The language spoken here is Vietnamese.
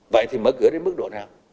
vậy thì mở cửa đến mức độ nào